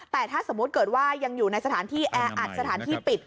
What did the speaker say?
แต่ถ้าสมมุติเกิดว่ายังอยู่ในสถานที่แออัดสถานที่ปิด